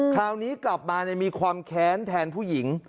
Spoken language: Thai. คราวนี้กลับมามีความแค้นแทนผู้หญิง